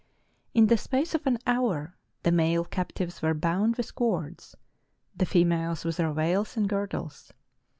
In the space of an hour, the male captives were bound with cords, the females with their veils and girdles.